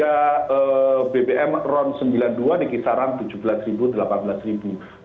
harga bbm ron rp sembilan puluh dua dikisaran rp tujuh belas rp delapan belas